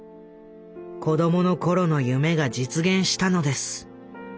子供の頃の夢が実現したのです。